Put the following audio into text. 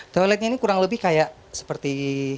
toiletnya ini kurang lebih kayak seperti